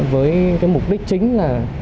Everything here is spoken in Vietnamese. với cái mục đích chính là